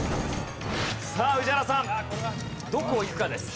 さあ宇治原さんどこをいくかです。